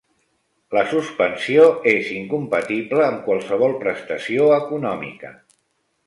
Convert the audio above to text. La suspensió és incompatible amb qualsevol prestació econòmica.